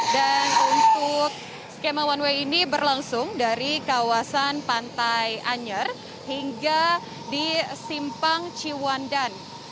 dan untuk skema one way ini berlangsung dari kawasan pantai anyer hingga di simpang ciwan dan